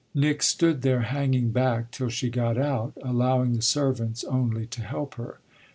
Nick stood there hanging back till she got out, allowing the servants only to help her.